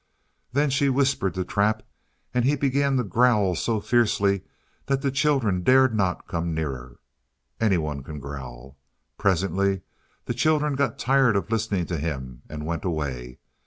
Then she whispered to Trap, and he began to growl so fiercely that the children dared not come nearer. Any one can growl. Presently the children got tired of listening to him, and went away.